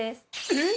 えっ！